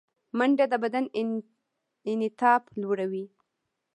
منډه د بدن انعطاف لوړوي